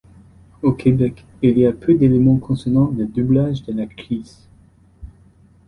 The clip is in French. Au Québec, il y a peu d'éléments concernant le doublage de l'actrice.